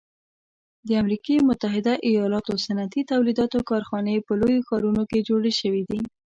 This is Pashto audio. د امریکي متحده ایلاتو صنعتي تولیداتو کارخانې په لویو ښارونو کې جوړې شوي دي.